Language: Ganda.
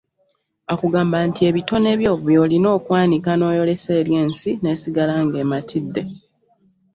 Akugamba nti ebitone byo by’olina okwanika n’oyolesa eri ensi n’esigala ng’ematidde.